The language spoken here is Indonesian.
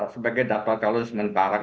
sebagai daftar kalus menepakan